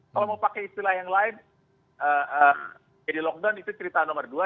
kalau mau pakai istilah yang lain jadi lockdown itu cerita nomor dua